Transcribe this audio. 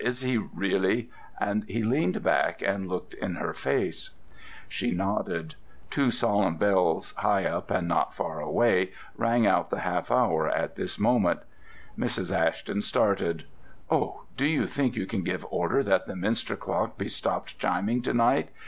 "Tt tt, is he really?" and he leaned back and looked in her face. She nodded. Two solemn bells, high up, and not far away, rang out the half hour at this moment. Mrs. Ashton started. "Oh, do you think you can give order that the minster clock be stopped chiming to night?